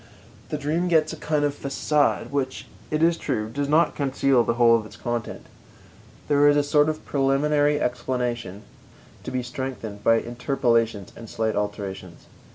The dream gets a kind of façade which, it is true, does not conceal the whole of its content. There is a sort of preliminary explanation to be strengthened by interpolations and slight alterations.